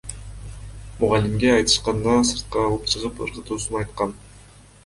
Мугалимге айтышканда, сыртка алып чыгып ыргытуусун айткан.